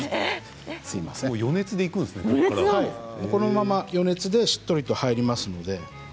このまま余熱でしっとりと入ります。